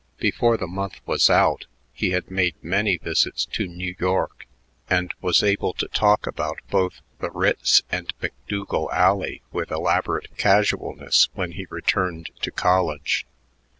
Before the month was out, he had made many visits to New York and was able to talk about both the Ritz and Macdougal Alley with elaborate casualness when he returned to college.